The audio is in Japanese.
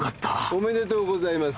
おめでとうございます。